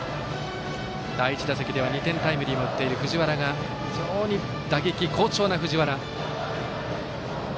第１打席では２点タイムリーを打っている非常に打撃好調な藤原。